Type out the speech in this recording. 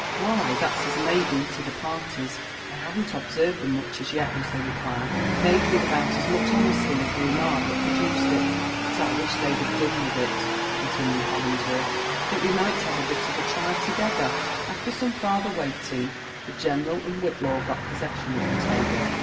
'"Why that's as may be lo the parties, I haven't observed them much as yet," was the reply, made with about as much honesty as the femark that produced it. •* But I wish they'd have done with it,*' con tinued Holings worth, that we might have a bit of a try together." After some farther wailing, the general and Whitlaw got possession of the table.